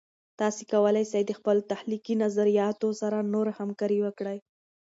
تاسې کولای سئ د خپلو تخلیقي نظریاتو سره نور همکارۍ وکړئ.